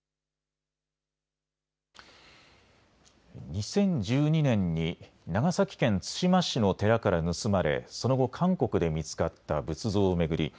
２０１２年に長崎県対馬市の寺から盗まれその後、韓国で見つかった仏像を巡り